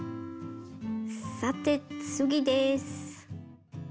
さて次です。